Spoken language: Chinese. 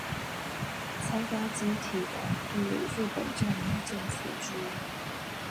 财阀解体的对日本占领政策之一。